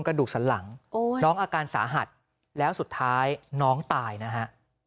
กระดูกสันหลังน้องอาการสาหัสแล้วสุดท้ายน้องตายนะฮะ